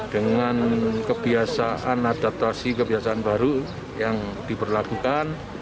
dengan kebiasaan adaptasi kebiasaan baru yang diberlakukan